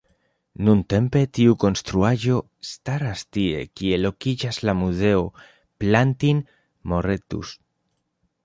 Nuntempe, tiu konstruaĵo staras tie kie lokiĝas la Muzeo Plantin-Moretus.